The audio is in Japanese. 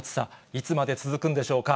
いつまで続くんでしょうか。